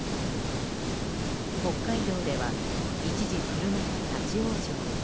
北海道では、一時車が立ち往生。